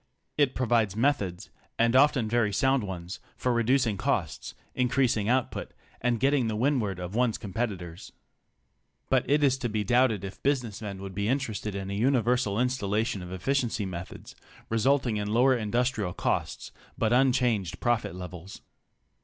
It provides methods, and often very sound ones, for reducing costs, increasing output, and getting to windward of one's competitors. But it is to be doubted if business men would be interested in a universal installation of efficiency methods resulting in lower industrial costs, but unchanged profit levels.